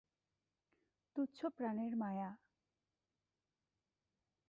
তুচ্ছ প্রানের মায়া।।